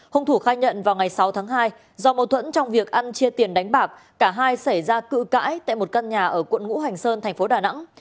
hùng thủ khai nhận vào ngày sáu tháng hai do mâu thuẫn trong việc ăn chia tiền đánh bạc cả hai xảy ra cự cãi tại một căn nhà ở quận ngũ hành sơn thành phố đà nẵng